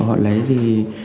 ai họ lấy thì